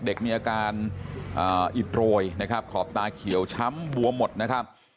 เด็กมีอาการอิดโรยนะครับขอบตาเขียวช้ำบวมหมดนะครับ